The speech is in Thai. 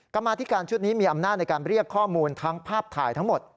มาธิการชุดนี้มีอำนาจในการเรียกข้อมูลทั้งภาพถ่ายทั้งหมด